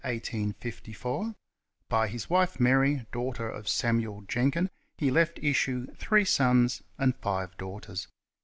1854 ; by his wife Mary, daughter of Samuel Jenken, he left issue three sons and ^ve daughters.